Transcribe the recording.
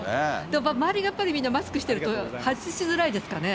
周りがやっぱりマスクしてると、外しづらいですかね。